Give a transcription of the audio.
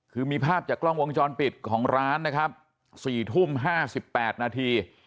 คือมีภาพจากกล้องวงจรปิดของร้านนะครับ๔ทุ่ม๕๘นาที